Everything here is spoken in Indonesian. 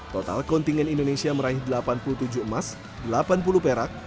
total kontingen indonesia meraih delapan puluh tujuh emas delapan puluh perak